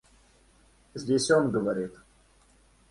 Здесь он говорит...